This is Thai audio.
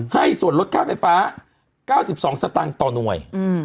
ให้ส่วนลดค่าไฟฟ้า๙๒สตางค์ต่อหน่วย